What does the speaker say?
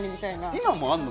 今もあるの？